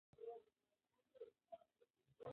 ببۍ کره دې هرو مرو په وخت لاړه شه.